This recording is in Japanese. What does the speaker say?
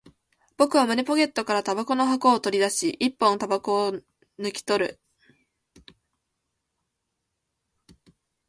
僕は胸ポケットから煙草の箱を取り出し、一本煙草を抜き取る